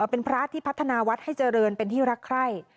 เป็นพระที่พัฒนาวัดให้เจริญเป็นที่รักใคร่